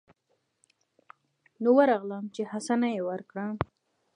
نو ورغلم چې حسنه يې ورکړم.